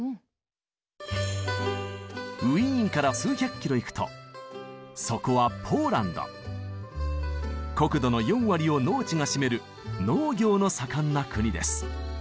ウィーンから数百キロ行くとそこは国土の４割を農地が占める農業の盛んな国です。